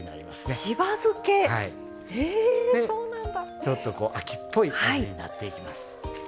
でちょっとこう秋っぽい味になっていきます。